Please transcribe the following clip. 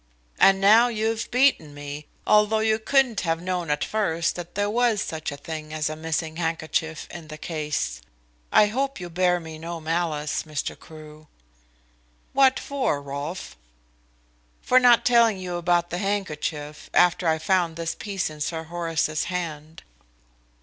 And now you've beaten me, although you couldn't have known at first that there was such a thing as a missing handkerchief in the case. I hope you bear me no malice, Mr. Crewe." "What for, Rolfe?" "For not telling you about the handkerchief, after I found this piece in Sir Horace's hand."